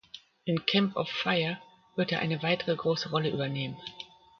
In "Camp of Fire" wird er eine weitere große Rolle übernehmen.